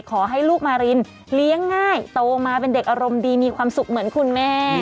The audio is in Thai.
ขอให้ลูกมารินเลี้ยงง่ายโตมาเป็นเด็กอารมณ์ดีมีความสุขเหมือนคุณแม่